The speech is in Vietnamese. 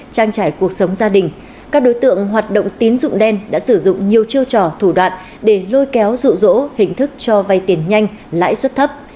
trang trải cuộc sống gia đình các đối tượng hoạt động tín dụng đen đã sử dụng nhiều chiêu trò thủ đoạn để lôi kéo rụ rỗ hình thức cho vay tiền nhanh lãi suất thấp